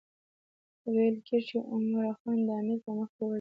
ویل کېږي چې عمرا خان د امیر په مخکې وژړل.